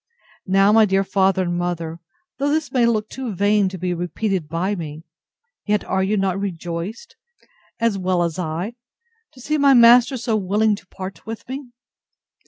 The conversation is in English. Now, my dear father and mother, though this may look too vain to be repeated by me; yet are you not rejoiced, as well as I, to see my master so willing to part with me?